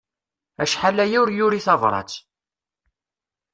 Acḥal aya ur yuri tabrat.